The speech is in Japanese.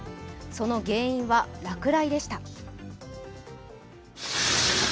その原因は落雷でした。